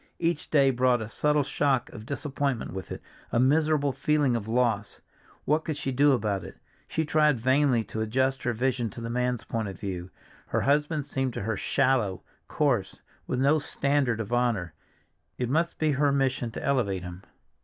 Each day brought a subtle shock of disappointment with it, a miserable feeling of loss. What could she do about it? She tried vainly to adjust her vision to the man's point of view. Her husband seemed to her shallow, coarse, with no high standard of honor. It must be her mission to elevate him.